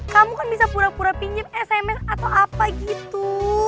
kamu kan bisa pura pura pinjam sms atau apa gitu